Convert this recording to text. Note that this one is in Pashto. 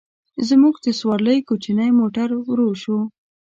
زموږ د سورلۍ کوچنی موټر ورو شو.